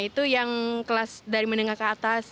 itu yang kelas dari menengah ke atas